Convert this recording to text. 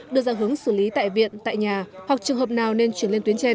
đưa ra hướng xử lý tại viện tại nhà hoặc trường hợp nào nên chuyển lên tuyến trên